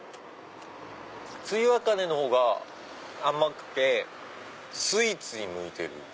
露茜の方が甘くてスイーツに向いてる。